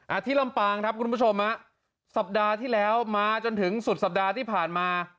ที่ลำปางครับคุณผู้ชมฮะสัปดาห์ที่แล้วมาจนถึงสุดสัปดาห์ที่ผ่านมา